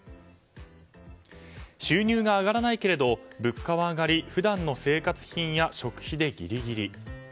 収入が上がらないけれど物価が上がり普段の生活品や食費でギリギリ。